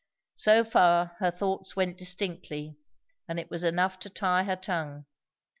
So far her thoughts went distinctly, and it was enough to tie her tongue.